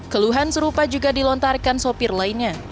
keluhan serupa juga dilontarkan sopir lainnya